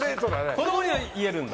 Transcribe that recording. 子供には言えるんだ。